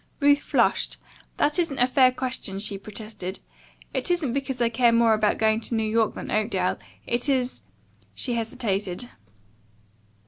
Ruth flushed. "That isn't a fair question," she protested. "It isn't because I care more about going to New York than Oakdale. It is " she hesitated.